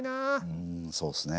うんそうっすね。